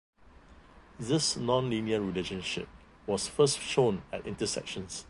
This non-linear relationship was first shown at intersections.